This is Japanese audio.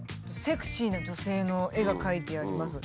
セクシーな女性の絵が描いてあります。